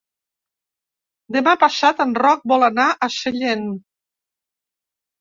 Demà passat en Roc vol anar a Sellent.